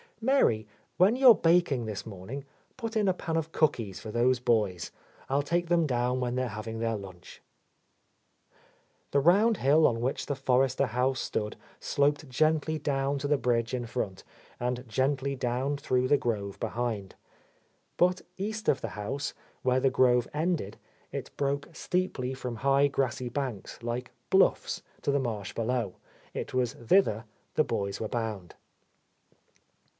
"Mary, when you are baking this morning, put in a pan of cookies for those boys. I'll take them down when they are having their lunch." The round hill on which the Forrester house stood sloped gently down to the bridge in front, and gently down through the grove behind. But east of the house, where the grove ended, it broke steeply from high grassy banks, like bluffs, to the marsh below. It was thither the boys were bound.